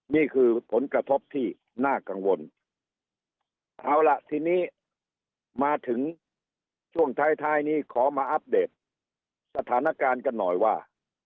นี่คือผลกระทบที่น่ากังวลเอาล่ะทีนี้มาถึงช่วงท้ายท้ายนี้ขอมาอัปเดตสถานการณ์กันหน่อยว่า